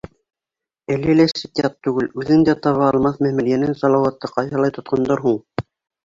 Әле лә сит-ят түгел, үҙең дә таба алмаҫ мәмерйәнән Салауатты ҡайһылай тотҡандар һуң?